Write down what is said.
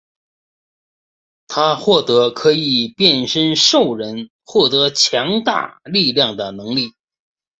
他获得可以变身兽人获得强大力量的能力。